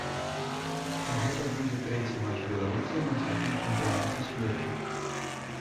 Гэта будзе трэці матч беларусаў на хатнім чэмпіянаце свету.